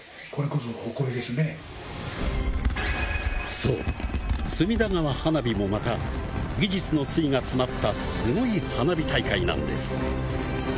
そう、隅田川花火もまた技術の粋が詰まったすごい花火大会なんです。